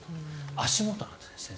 足元なんですね、先生。